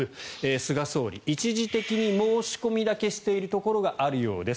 菅総理、一時的に申し込みだけしているところがあるようです